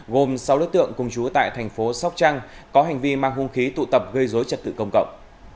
gồm sáu đối tượng cùng chú tại thành phố sóc trăng có hành vi mang hung khí tụ tập gây dối trật tự công cộng